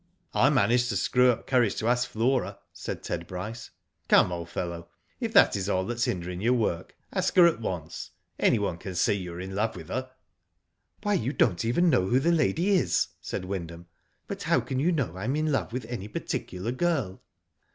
*'I managed to screw up courage to ask Flora,'* said Ted Bryce. '* Come, old fellow, if that is all that's hindering your work, ask her at once. Any one can see you are in love with her." '* Why, you don't even know who the lady is," said Wyndham \so how can you know I am in love with any particular girl?"